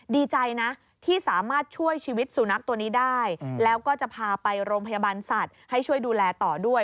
ดีใจนะที่สามารถช่วยชีวิตสุนัขตัวนี้ได้แล้วก็จะพาไปโรงพยาบาลสัตว์ให้ช่วยดูแลต่อด้วย